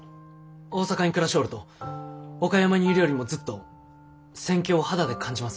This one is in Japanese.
大阪に暮らしょうると岡山にいるよりもずっと戦況を肌で感じます。